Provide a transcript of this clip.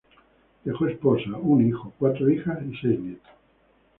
Dejó, esposa, un hijo, cuatro hijas, y seis nietos.